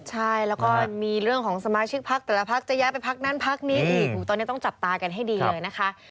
ใช่แล้วก็มีเรื่องของสมาชิกพักแต่ละพักจะย้ายไปพักนั้นพักนี้อีกตอนนี้ต้องจับตากันให้ดีเลยนะคะ